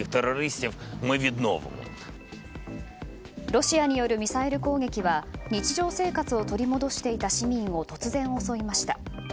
ロシアによるミサイル攻撃は日常生活を取り戻していた市民を突然、襲いました。